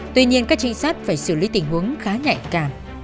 tuy nhiên các trinh sát phải xử lý tình huống khá nhạy cảm